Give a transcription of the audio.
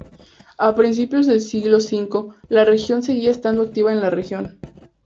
A principios del siglo V, la legión seguía estando activa en la región.